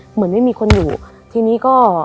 เหมือนไม่มีคนอยู่ทีนี้ก็